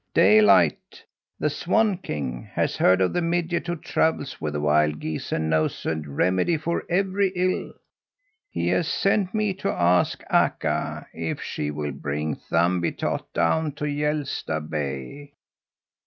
Daylight, the swan king, has heard of the midget who travels with the wild geese and knows a remedy for every ill. He has sent me to ask Akka if she will bring Thumbietot down to Hjälsta Bay."